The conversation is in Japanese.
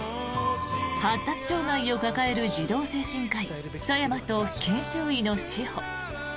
発達障害を抱える児童精神科医、佐山と研修医の志保。